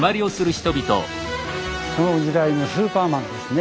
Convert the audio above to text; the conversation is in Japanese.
その時代のスーパーマンですね。